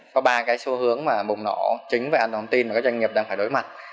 có ba xu hướng bùng nổ chính về an toàn hệ thống tin mà doanh nghiệp đang phải đối mặt